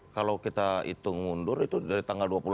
kalau kita hitung undur itu dari tanggal